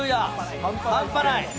半端ない。